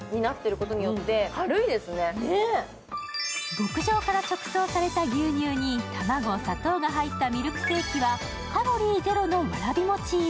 牧場から直送された牛乳に卵、砂糖が入ったミルクセーキはカロリーゼロのわらび餅入り。